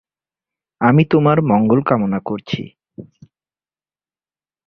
আমি তোমার মঙ্গল কামনা করছি।